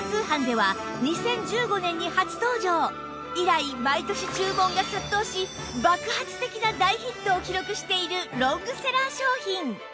以来毎年注文が殺到し爆発的な大ヒットを記録しているロングセラー商品